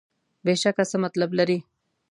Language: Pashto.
بېشکه څه مطلب لري.